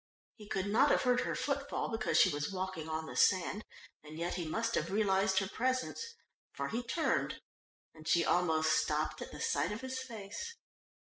He could not have heard her footfall because she was walking on the sand, and yet he must have realised her presence, for he turned, and she almost stopped at the sight of his face.